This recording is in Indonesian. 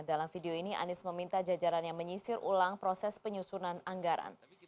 dalam video ini anies meminta jajarannya menyisir ulang proses penyusunan anggaran